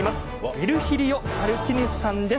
ヴィルヒリオ・マルティネスさんです。